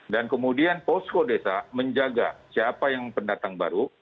dan kemudian posko desa menjaga siapa yang pendatang baru